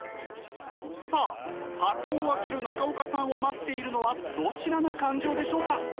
さあ箱を開ける中岡さんを待っているのはどちらの感情でしょうか？